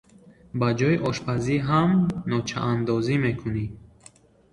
Ба ҷои ошпазӣ ҳам ночаандозӣ мекунӣ.